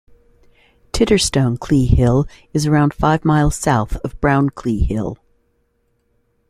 Titterstone Clee Hill is around five miles south of Brown Clee Hill.